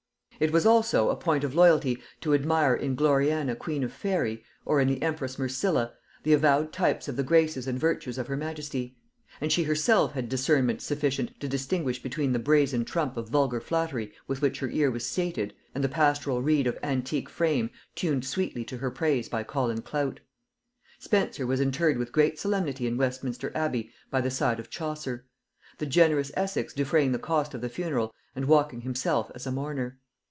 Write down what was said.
It was also a point of loyalty to admire in Gloriana queen of Faery, or in the empress Mercilla, the avowed types of the graces and virtues of her majesty; and she herself had discernment sufficient to distinguish between the brazen trump of vulgar flattery with which her ear was sated, and the pastoral reed of antique frame tuned sweetly to her praise by Colin Clout. Spenser was interred with great solemnity in Westminster abbey by the side of Chaucer; the generous Essex defraying the cost of the funeral and walking himself as a mourner.